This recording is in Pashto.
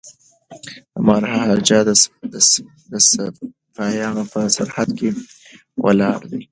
د مهاراجا سپایان په سرحد کي ولاړ دي.